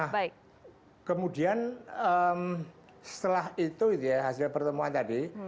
nah kemudian setelah itu ya hasil pertemuan tadi